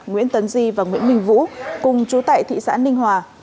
nguyễn tấn di và nguyễn minh vũ cùng chú tại thị xã ninh hòa